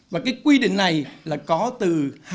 và cái quy định này là có từ hai nghìn sáu